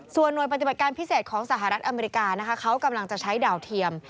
ส่วนหน่วยปฏิบัติการพิเศษของสหรัฐอเมริกานะคะเขากำลังจะใช้ดาวเทียม